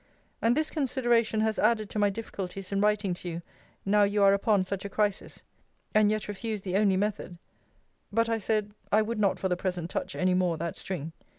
And this consideration has added to my difficulties in writing to you now you are upon such a crisis, and yet refuse the only method but I said, I would not for the present touch any more that string.